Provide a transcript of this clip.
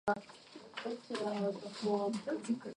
Seba assembled a cabinet, or collection, of fish.